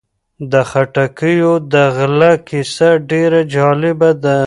د خټکیو د غله کیسه ډېره جالبه ده.